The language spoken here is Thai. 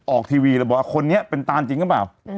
ออกทีวีแล้วบอกว่าคนนี้เป็นตานจริงหรือเปล่า